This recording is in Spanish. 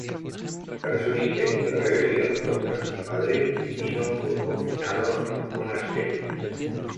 Tras un intento de rebelión contra su padre, Pipino fue confinado en un monasterio.